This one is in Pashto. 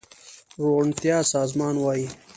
روڼتيا سازمان وايي